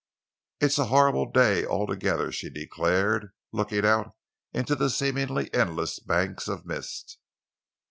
"It's a horrible day altogether," she declared, looking out into the seemingly endless banks of mist.